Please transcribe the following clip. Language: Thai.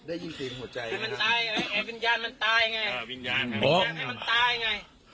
ไอ้วิญญาณมันตายไงไอ้วิญญาณมันตายไง